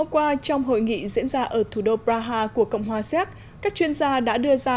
qua trong hội nghị diễn ra ở thủ đô praha của cộng hòa xéc các chuyên gia đã đưa ra